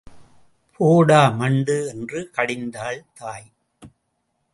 போடா, மண்டு! என்று கடிந்தாள் தாய்.